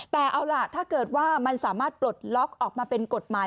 แต่เอาล่ะถ้าเกิดว่ามันสามารถปลดล็อกออกมาเป็นกฎหมาย